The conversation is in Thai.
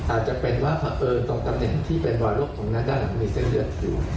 อาจจะเป็นว่าฝังเอิญตรงตำแหน่งที่เป็นวันโรคของนั้นด้านหลังมีเส้นเลือดอยู่